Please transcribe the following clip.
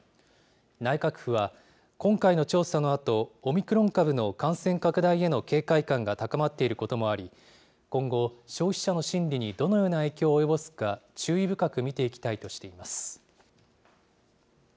内閣府は、今回の調査のあと、オミクロン株の感染拡大への警戒感が高まっていることもあり、今後、消費者の心理にどのような影響を及ぼすか、注意深く見ていきたいとしています。